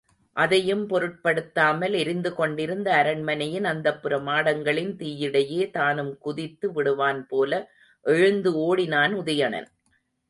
அதையும் பொருட்படுத்தாமல் எரிந்துகொண்டிருந்த அரண்மனையின் அந்தப்புர மாடங்களின் தீயிடையே தானும் குதித்து விடுவான்போல எழுந்து ஓடினான் உதயணன்.